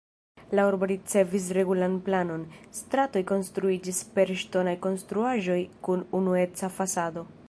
La urbo ricevis regulan planon, stratoj konstruiĝis per ŝtonaj konstruaĵoj kun unueca fasado.